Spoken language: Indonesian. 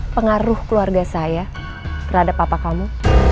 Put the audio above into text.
pengaruh keluarga saya terhadap papa kamu